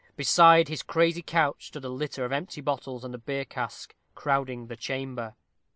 Beside his crazy couch stood a litter of empty bottles and a beer cask, crowding the chamber.